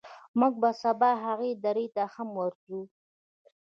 موږ به سبا هغې درې ته هم ورځو.